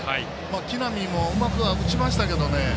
木浪も、うまく打ちましたけどね